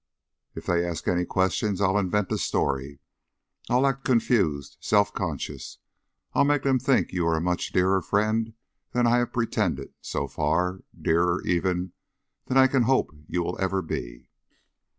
"If they ask any questions, I'll invent a story. I'll act confused, self conscious. I'll make them think you are a much dearer friend than I have pretended, so far; dearer, even, than I can hope you ever will be."